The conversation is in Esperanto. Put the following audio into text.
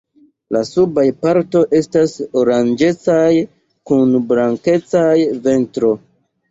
La subaj partoj estas oranĝecaj kun blankeca ventro.